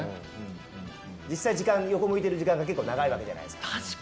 実際、横向いている時間のほうが長いじゃないですか。